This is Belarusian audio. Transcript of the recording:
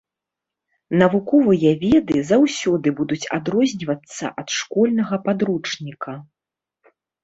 Навуковыя веды заўсёды будуць адрознівацца ад школьнага падручніка.